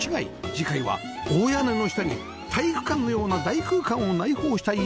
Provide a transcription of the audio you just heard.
次回は大屋根の下に体育館のような大空間を内包した家